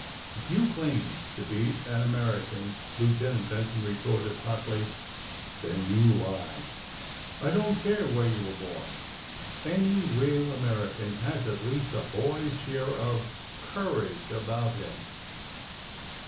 '' *^If you claim to be an American," Lieuten ant Benson retorted hotly, ^^then you lie! I don't care where you were born. Any real American has at least a boy's share of courage about him!"